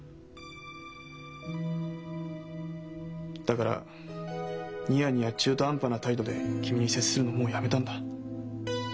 だからニヤニヤ中途半端な態度で君に接するのもうやめたんだ。